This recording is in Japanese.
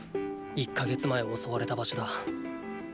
１か月前襲われた場所だ。